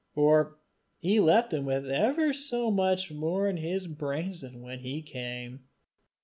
For he left him with ever so much more in his brains than when he came.